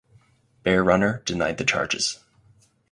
Bear Runner denied the charges.